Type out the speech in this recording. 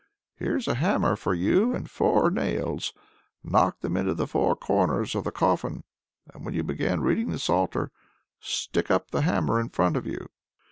Here's a hammer for you and four nails. Knock them into the four corners of the coffin, and when you begin reading the psalter, stick up the hammer in front of you."